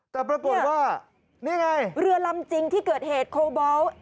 แต่ปรากฏว่านี่ไงเรือลำจริงที่เกิดเหตุโคบอล